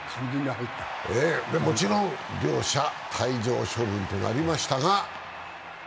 もちろん両者、退場処分となりました。